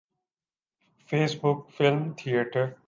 face book film theatre